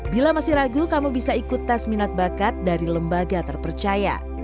bila masih ragu kamu bisa ikut tes minat bakat dari lembaga terpercaya